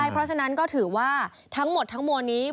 เพราะฉะนั้นก็ถือว่าทั้งหมดทั้งมวลนี้